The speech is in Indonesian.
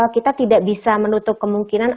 kita tidak bisa menutup kemungkinan